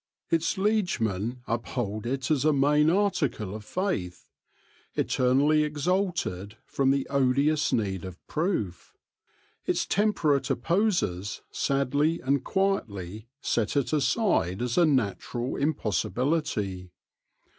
Its liegemen uphold it as a main article of faith, eternally exalted from the odious need of proof ; its temperate opposers sadly and quietly set it aside as a natural impossibility.